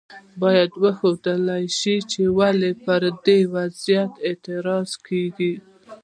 باید وښودل شي چې ولې پر دې وضعیت اعتراض کیږي.